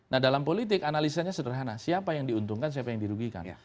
nah dalam politik analisanya sederhana siapa yang diuntungkan siapa yang dirugikan